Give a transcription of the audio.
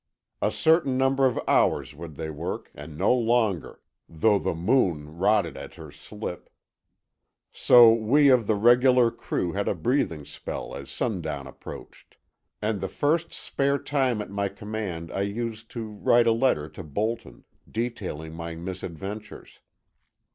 A certain number of hours would they work, and no longer, though the Moon rotted at her slip. So we of the regular crew had a breathing spell as sundown approached. And the first spare time at my command I used to write a letter to Bolton, detailing my misadventures.